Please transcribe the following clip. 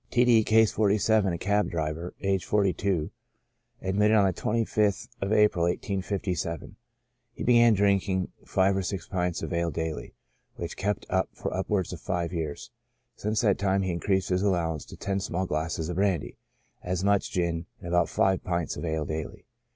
T. D —, (Case 47,) a cab driver, aged 42, admitted on the 25th of April, 1857. H^ began drinking five or six pints of ale daily, which he kept up for upwards of five years. Since that time he increased his allowance to ten small glasses of brandy, as much gin, and about five pints of ale daily.